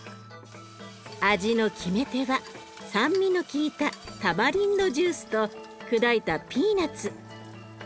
味の決め手は酸味の利いたタマリンドジュースと砕いたピーナツ。